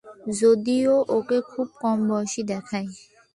যদিও ওকে খুব কম বয়সী দেখায়।